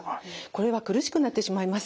これは苦しくなってしまいます。